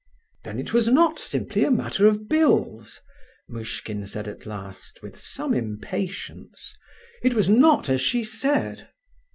"Then it was not simply a matter of bills?" Muishkin said at last, with some impatience. "It was not as she said?"